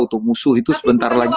untuk musuh itu sebentar lagi